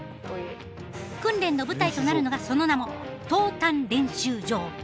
訓練の舞台となるのがその名も投炭練習場。